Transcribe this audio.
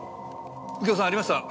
右京さんありました！